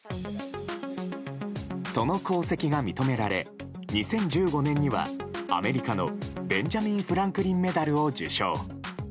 その功績が認められ２０１５年にはアメリカのベンジャミン・フランクリン・メダルを受賞。